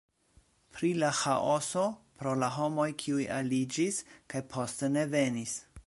Pri la ĥaoso pro la homoj, kiuj aliĝis kaj poste ne venis.